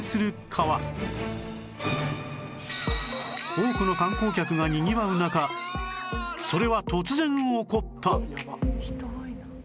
多くの観光客がにぎわう中それは突然起こった